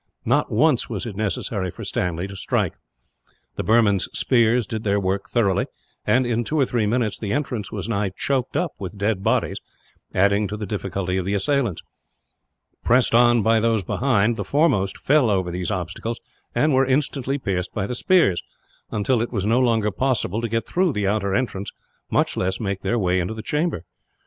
Not once was it necessary for Stanley to strike. The Burmans' spears did their work thoroughly and, in two or three minutes, the entrance was nigh choked up with dead bodies, adding to the difficulty of the assailants. Pressed on by those behind, the foremost fell over these obstacles, and were instantly pierced by the spears; until it was no longer possible to get through the outer entrance, much less make their way into the chamber.